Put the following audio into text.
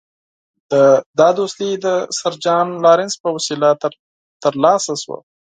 دا دوستي د سر جان لارنس په وسیله ترلاسه شوه.